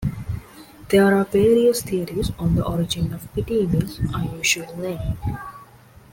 There are various theories on the origin of Pity Me's unusual name.